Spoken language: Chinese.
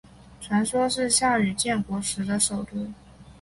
传说是夏禹建国时的首都。